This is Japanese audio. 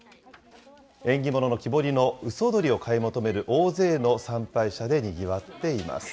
縁起物の木彫りの鷽鳥を買い求める大勢の参拝者でにぎわっています。